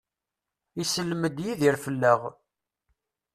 Isellem-d Yidir fell-aɣ.